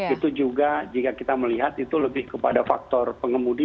itu juga jika kita melihat itu lebih kepada faktor pengemudi